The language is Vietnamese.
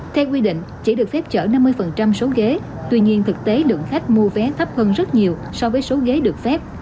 theo quy định chỉ được phép chở năm mươi số ghế tuy nhiên thực tế lượng khách mua vé thấp hơn rất nhiều so với số ghế được phép